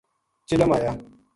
چلم آیا